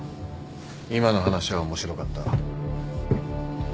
今の話は面白かった。